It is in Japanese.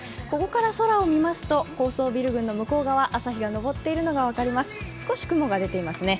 ここから空を見ますと、高層ビル群の向こう側朝日が昇っているのが分かります。